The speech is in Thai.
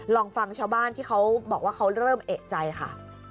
ลองฟังชาวบ้านที่เขาบอกว่าเขาเริ่มเอกใจค่ะ